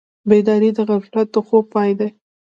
بیداري د غفلت د خوب پای دی.